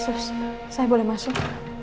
sus saya boleh masuk